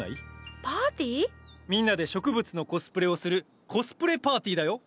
みんなで植物のコスプレをするコスプレパーティーだよ。